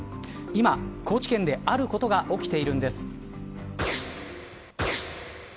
今、高知県であることが起きているんです。